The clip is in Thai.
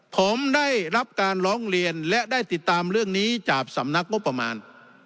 ผมได้รับการร้องเรียนและได้ติดตามเรื่องนี้จากสำนักงบประมาณ